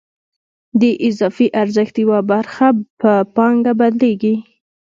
د اضافي ارزښت یوه برخه په پانګه بدلېږي